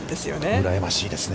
うらやましいですね。